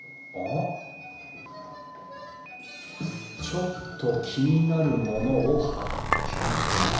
ちょっと気になるものを発見